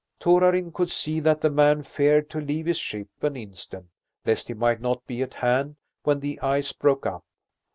Torarin could see that the man feared to leave his ship an instant, lest he might not be at hand when the ice broke up.